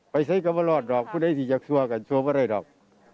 ไปใช้กับรอดรอบพูดไอ้ที่จะซัวร์กันซัวร์ไปเลยรอบ